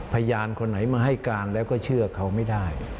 พยานคนไหนมาให้การแล้วก็เชื่อเขาไม่ได้